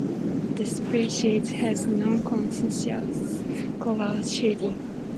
The species has no conspicuous colour shading.